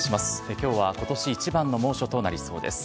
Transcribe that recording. きょうはことし一番の猛暑となりそうです。